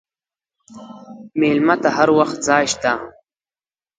مېلمه ته هر وخت ځای شته.